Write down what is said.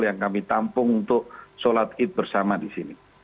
yang kami tampung untuk sholat id bersama di sini